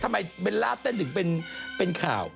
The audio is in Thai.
เบลล่าเต้นถึงเป็นข่าว